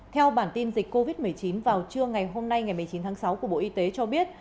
theo bản tin dịch covid một mươi chín vào trưa ngày hôm nay ngày một mươi chín tháng sáu của bộ y tế cho biết